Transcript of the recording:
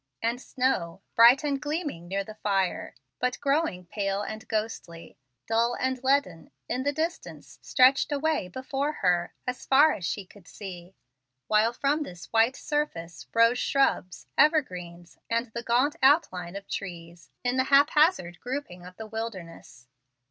And snow, bright and gleaming near the fire, but growing pale and ghostly, dull and leaden, in the distance, stretched away before her, as far as she could see, while from this white surface rose shrubs, evergreens, and the gaunt outline of trees, in the hap hazard grouping of the wilderness.